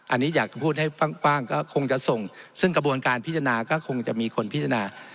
อันนี้อยากจะพูดให้กว้างก็คงจะส่งซึ่งกระบวนการพิจารณาก็คงจะมีคนพิจารณา